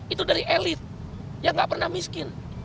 itu dari elit yang gak pernah miskin